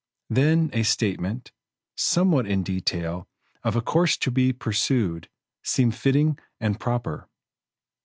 Then a statement, somewhat in detail, of a course to be pursued, seemed fitting and proper.